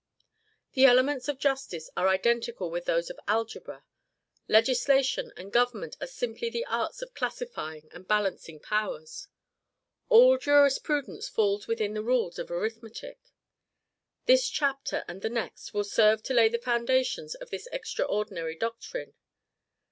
The elements of justice are identical with those of algebra; legislation and government are simply the arts of classifying and balancing powers; all jurisprudence falls within the rules of arithmetic. This chapter and the next will serve to lay the foundations of this extraordinary doctrine.